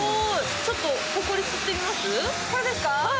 ちょっとホコリ吸ってみます。